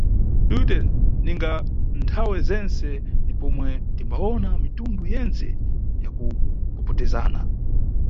Twitter ninga nthawe zentse ni pomwe timbawona mitundu yentse ya kupopotezana.